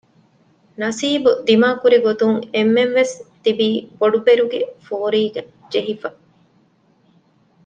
ނަސީބު ދިމާކުރިގޮތުން އެންމެންވެސް ތިބީ ބޮޑުބެރުގެ ފޯރީގައި ޖެހިފަ